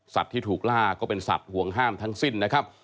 ที่ถูกล่าก็เป็นสัตว์ห่วงห้ามทั้งสิ้นนะครับ